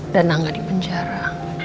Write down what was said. dan angga di penjara